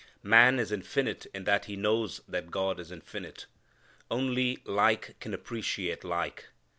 Man is infinite in that he knows that God is infinite. Only like can appreciate like.